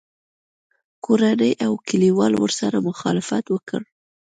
کورنۍ او کلیوالو ورسره مخالفت وکړ